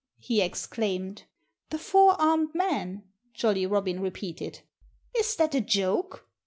he exclaimed. "The four armed man!" Jolly Robin repeated. "Is that a joke?"